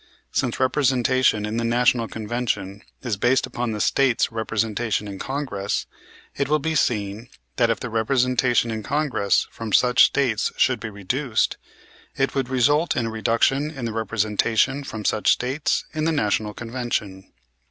Since representation in the National Convention is based upon the States' representation in Congress, it will be seen that if the representation in Congress from such States should be reduced, it would result in a reduction in the representation from such States in the National Convention.